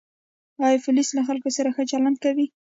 آیا پولیس له خلکو سره ښه چلند کوي؟